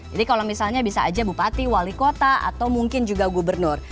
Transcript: jadi kalau misalnya bisa aja bupati wali kota atau mungkin juga gubernur